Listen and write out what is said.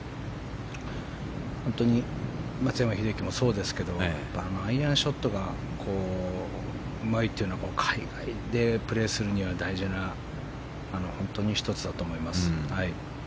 本当に松山英樹もそうですけどアイアンショットがうまいというのは海外でプレーするには本当に大事なことの１つだと思います。